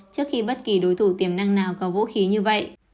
trước khi bất kỳ đối thủ tiềm năng nào có vũ khí như vậy